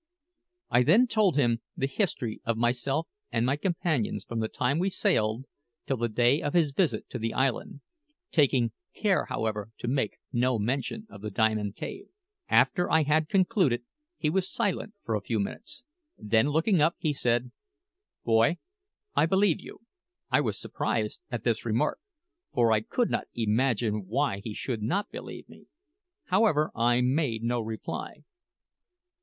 I then told him the history of myself and my companions from the time we sailed till the day of his visit to the island taking care, however, to make no mention of the Diamond Cave. After I had concluded, he was silent for a few minutes; then looking up, he said, "Boy, I believe you." I was surprised at this remark, for I could not imagine why he should not believe me. However, I made no reply.